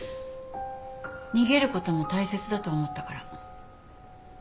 逃げることも大切だと思ったから。